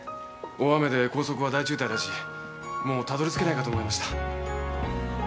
大雨で高速は大渋滞だしもうたどりつけないかと思いました。